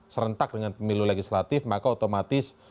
serentak dengan pemilu legislatif maka otomatis